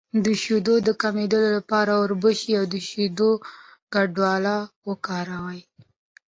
د شیدو د کمیدو لپاره د وربشو او شیدو ګډول وکاروئ